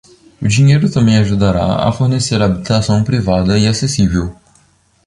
O dinheiro também ajudará a fornecer habitação privada e acessível.